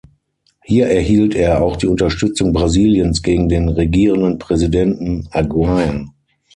Hier erhielt er auch die Unterstützung Brasiliens gegen den regierenden Präsidenten Aguirre.